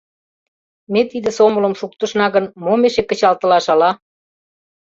Ме тиде сомылым шуктышна гын, мом эше кычалтылаш ала?»